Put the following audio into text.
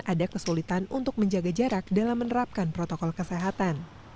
ada kesulitan untuk menjaga jarak dalam menerapkan protokol kesehatan